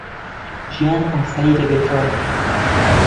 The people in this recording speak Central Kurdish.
ژیان ئاسایی دەبێتەوە.